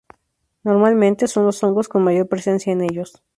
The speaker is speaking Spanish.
Normalmente son los hongos con mayor presencia en ellos.